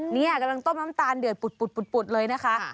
นี่กำลังต้มน้ำตาลเดือดปุดเลยนะคะ